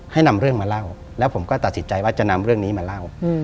นำเรื่องมาเล่าแล้วผมก็ตัดสินใจว่าจะนำเรื่องนี้มาเล่า